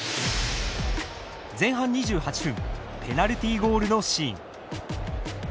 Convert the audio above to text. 前半２８分ペナルティゴールのシーン。